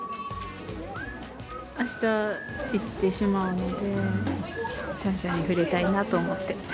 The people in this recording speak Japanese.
あした、行ってしまうので、シャンシャンに触れたいなと思って。